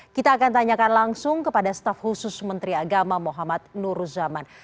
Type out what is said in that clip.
kita akan tanyakan langsung kepada staf khusus menteri agama muhammad nuruzaman